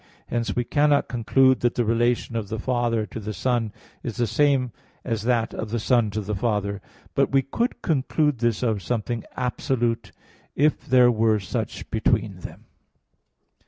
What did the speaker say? Hence, we cannot conclude that the relation of the father to the son is the same as that of the son to the father; but we could conclude this of something absolute, if there were such between them.